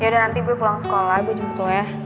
yaudah nanti gue pulang sekolah gue jemput lo ya